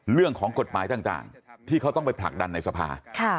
เรื่องของกฎหมายต่างที่เขาต้องไปผลักดันในสภา